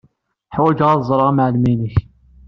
Ḥwaǧeɣ ad ẓreɣ amɛellem-ik.